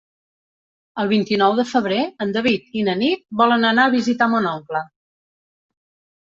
El vint-i-nou de febrer en David i na Nit volen anar a visitar mon oncle.